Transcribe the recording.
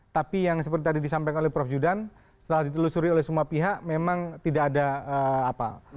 tapi yang seperti tadi disampaikan oleh prof judan setelah ditelusuri oleh semua pihak memang tidak ada apa